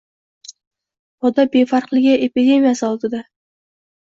“poda befarqligi” epidemiyasi oldida